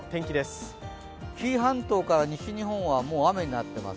紀伊半島から西日本はもう雨になっています。